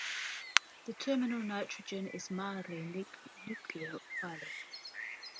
The terminal nitrogen is mildly nucleophilic.